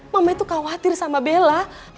mama itu khawatir sama bella